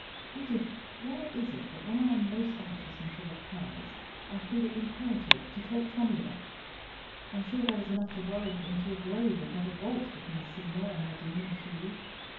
Edith, why is it that when I am most anxious and full of cares, I feel it imperative to talk tommy rot? I'm sure there is enough to worry me into a grave if not a vault, between Seymour and Nadine and Hugh.